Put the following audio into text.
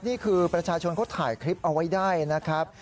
นี่คือประชาชนเขาถ่ายคลิปเอาไว้ได้นะครับ